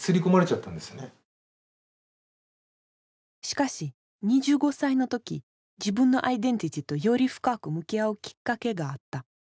しかし２５歳の時自分のアイデンティティーとより深く向き合うきっかけがあった。